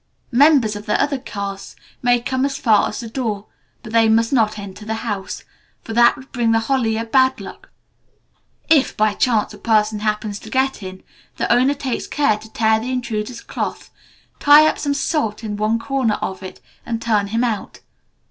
Members of the other castes may come as far as the door, but they must not enter the house, for that would bring the Holiar bad luck. If, by chance, a person happens to get in, the owner takes care to tear the intruder's cloth, tie up some salt in one corner of it, and turn him out.